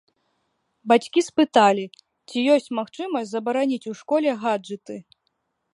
Бацькі спыталі, ці ёсць магчымасць забараніць у школе гаджэты.